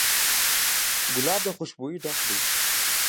ګلاب له خوشبویۍ ډک دی.